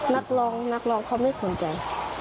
นักร้องนักร้องเขาไม่สนใจ